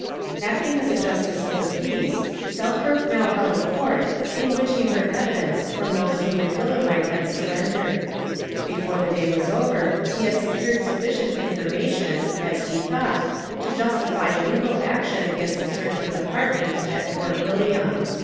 Acting as a justice of the peace, Selkirk now held a court in which he heard evidence from those whom M'Gillivray had surrendered. Before the day was over he had secured sufficient information, as he thought, to justify legal action against certain of the partners at Fort William.